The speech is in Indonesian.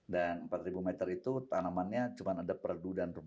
dan empat meter itu tanamannya cuma ada peradu dan perut